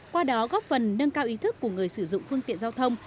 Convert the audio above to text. qua đó góp phần nâng cao ý thức của người sử dụng phương tiện giao thông